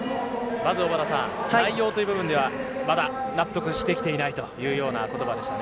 まず小原さん、内容という部分ではまだ納得しきれていないというような言葉でしたね。